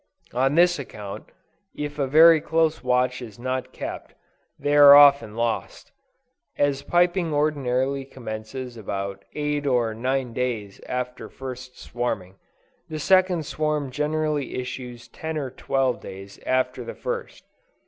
On this account, if a very close watch is not kept, they are often lost. As piping ordinarily commences about eight or nine days after first swarming, the second swarm generally issues ten or twelve days after the first.